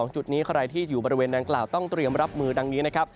จุดนี้ใครที่อยู่บริเวณดังกล่าวต้องเตรียมรับมือดังนี้นะครับ